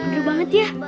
berdu banget ya